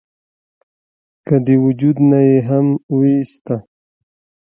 کۀ د وجود نه ئې هم اوويستۀ ؟